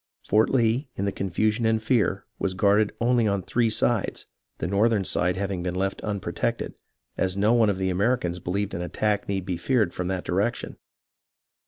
Fort Lee, in the confusion and fear, was guarded only on three sides, the northern side having been left unprotected, as no one of the Americans believed an attack need be feared from that direction.